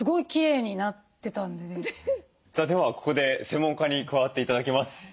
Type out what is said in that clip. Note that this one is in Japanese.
さあではここで専門家に加わって頂きます。